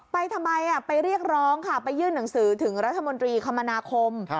ไปทำไมไปเรียกร้องค่ะไปยื่นหนังสือถึงรัฐมนตรีคมนาคม